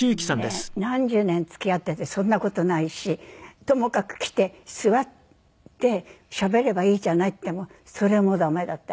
何十年付き合っててそんな事ないしともかく来て座ってしゃべればいいじゃないって言ってもそれもダメだって。